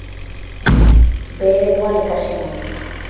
B ereduan ikasi nuen.